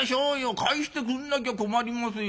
返してくんなきゃ困りますよ。